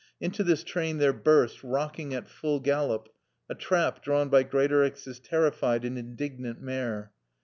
Into this train there burst, rocking at full gallop, a trap drawn by Greatorex's terrified and indignant mare.